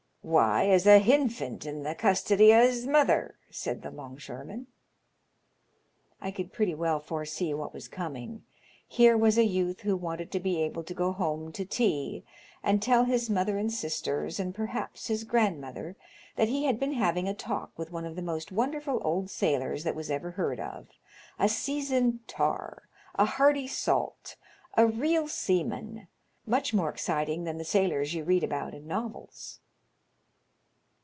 *^ Why, as a hinfant in the custody o' his mother," said the 'longshoreman. I could pretty well foresee what was coming. Here was a youth who wanted to be able to go home to tea and tell his mother and sisters, and perhaps his grand mother, that he had been having a talk with one of the most wonderful old sailors that was ever heard of — a seasoned tar, a hardy salt, a real seaman, much more exciting than the sailors you read about in novels?